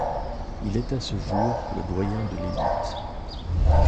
Il est à ce jour le doyen de l'élite.